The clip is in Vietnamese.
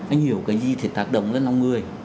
anh hiểu cái gì sẽ tác động lên năm người